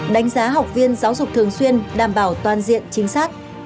đánh giá học viên giáo dục thường xuyên đảm bảo toàn diện chính xác